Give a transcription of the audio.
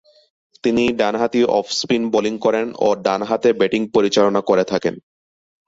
তিনি ডানহাতি off-spin bowling করেন ও ডানহাতে ব্যাটিং পরিচালনা করে থাকেন।